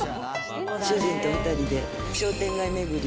主人と２人で商店街巡り。